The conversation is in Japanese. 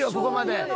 ここまで。